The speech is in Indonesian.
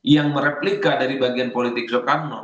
yang mereplika dari bagian politik soekarno